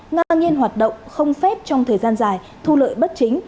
ngang nhiên hoạt động không phép trong thời gian dài thu lợi bất chính